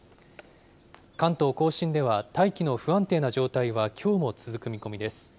関東甲信では大気の不安定な状態はきょうも続く見込みです。